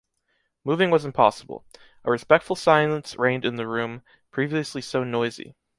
Moving was impossible: a respectful silence reigned in the room, previously so noisy.